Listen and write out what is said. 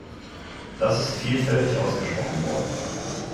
Das ist vielfältig ausgesprochen worden.